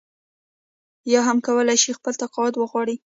یا هم کولای شي خپل تقاعد وغواړي.